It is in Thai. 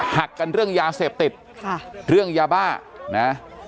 หักกันเรื่องยาเสพติดค่ะเรื่องยาบ้านะ